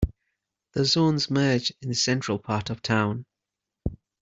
The zones merge in the central part of town.